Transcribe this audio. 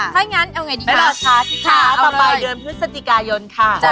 ถ้างั้นเอาไงดีคะไม่ลอดค่ะเอาไปเดินพฤษฎิกายนค่ะ